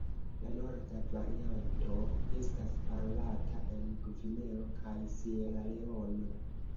La norda varianto estas parolata en Gvineo kaj Sieraleono.